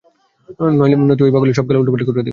নইতো ঔই পাগল সব খেলা উল্টাপাল্টা করে দিবে।